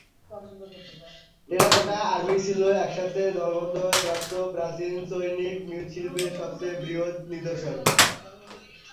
Terracotta army ছিল একসাথে দলবদ্ধভাবে প্রাপ্ত প্রাচীন চৈনিক মৃৎশিল্পের সবচেয়ে বৃহৎ নিদর্শন।